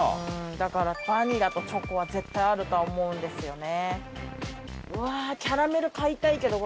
だからバニラとチョコは絶対あるとは思うんですよね。